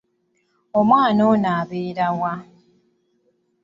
Omwana ono abeera wa?